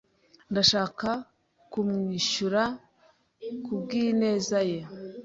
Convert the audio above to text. Ndashaka kumwishura kubwineza ye.